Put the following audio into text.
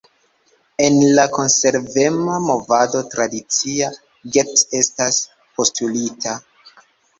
En la Konservema movado tradicia "get" estas postulita.